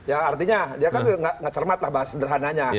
ya artinya dia kan ngecermat lah bahas sederhananya